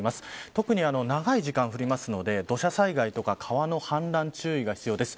特に長い時間降るので土砂災害とか川の氾濫に注意が必要です。